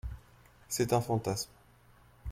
C’est un fantasme.